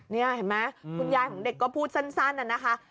นี่เห็นไหมคุณยายของเด็กก็พูดสั้นนะคะ